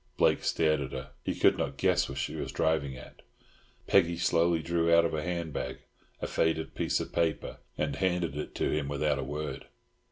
Blake stared at her. He could not guess what she was driving at. Peggy slowly drew out of a handbag a faded piece of paper and handed it to him without a word.